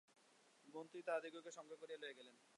মন্ত্রী তাহাদিগকে সঙ্গে করিয়া লইয়া গেলেন।